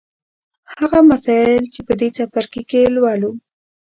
هغه مسایل چې په دې څپرکي کې یې لولو